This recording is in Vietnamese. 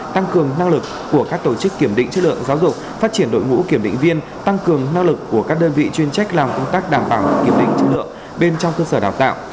tăng cường năng lực của các tổ chức kiểm định chất lượng giáo dục phát triển đội ngũ kiểm định viên tăng cường năng lực của các đơn vị chuyên trách làm công tác đảm bảo kiểm định chất lượng bên trong cơ sở đào tạo